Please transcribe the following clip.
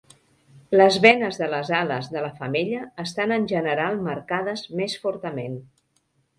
Les venes de les ales de la femella estan en general marcades més fortament.